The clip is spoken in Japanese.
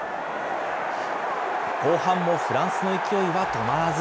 後半もフランスの勢いは止まらず。